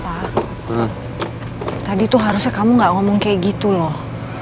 tadi tuh harusnya kamu gak ngomong kayak gitu loh